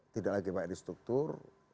tidak lagi banyak di struktur